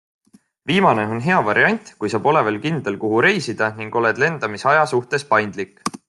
Viimane on hea variant kui sa pole veel kindel, kuhu reisida ning oled lendamise aja suhtes paindlik.